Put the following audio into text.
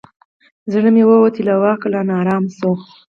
زړه یې ووتی له واکه نا آرام سو